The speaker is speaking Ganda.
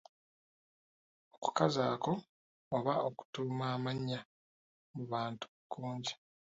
Okukazaako oba okutuuma amannya mu bantu kungi.